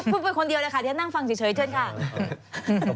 พูดไปคนเดียวเลยค่ะเดี๋ยวนั่งฟังเฉยเชิญค่ะ